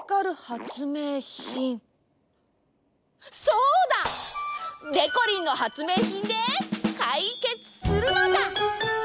そうだ！でこりんのはつめいひんでかいけつするのだ！